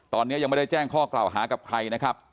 ตอนนี้ยังไม่ได้แจ้งข้อกล่าวหากับใครนะครับ